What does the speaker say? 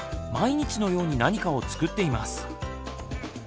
毎日のように何かを作っています。